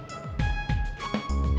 tampang udah usna